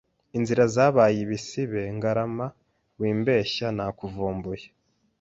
inzira zabaye ibisibe Ngarama wimbeshya nakuvumbuye